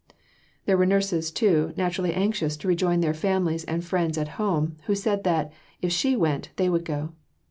There were nurses, too, naturally anxious to rejoin their families or friends at home, who said that, if she went, they would go.